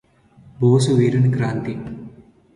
బోసు వీరుని క్రాంతి